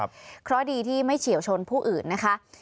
เพราะดีที่ไม่เฉียวชนผู้อื่นนะคะ